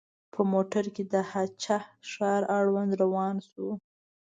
په موټر کې د هه چه ښار اړوند روان شوو.